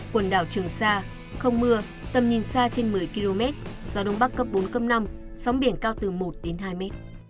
quần đảo trường sa không mưa tầm nhìn xa trên một mươi km gió đông bắc cấp bốn cấp năm sóng biển cao từ một đến hai mét